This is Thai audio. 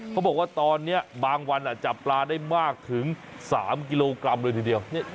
เขาบอกว่าตอนนี้บางวันจับปลาได้มากถึง๓กิโลกรัมเลยทีเดียว